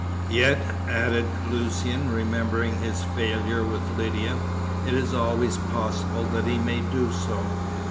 Yet," added Lucian, remembering his failure with Lydia, "it is always possible that he may do so."